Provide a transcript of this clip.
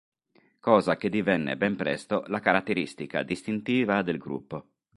Cosa che divenne ben presto la caratteristica distintiva del gruppo.